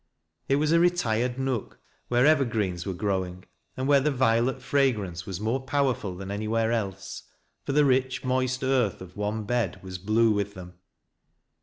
It was a retired nook where evergreens were growing, and where the violet fragrance was more powerful than anywhere else, for (he rich, moist earth of one bed was blue with them.